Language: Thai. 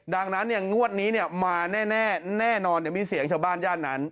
ดังนั้นงวดนี้มาแน่แน่นอนจะมีเสียงชาวบ้านย่านนั้น